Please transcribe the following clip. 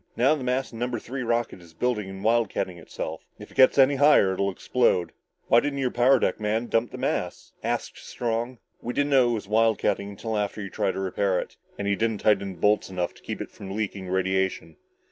Now the mass in number three rocket is building and wildcatting itself. If it gets any higher, it'll explode." "Why didn't your power deck man dump the mass?" asked Strong. "We didn't know it was wildcatting until after he had tried to repair it. And he didn't tighten the bolts enough to keep it from leaking radiation."